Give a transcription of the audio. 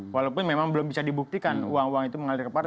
walaupun memang belum bisa dibuktikan uang uang itu mengalir ke partai